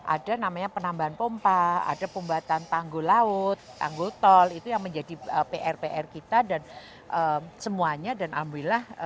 ada namanya penambahan pompa ada pembuatan tanggul laut tanggul tol itu yang menjadi pr pr kita dan semuanya dan alhamdulillah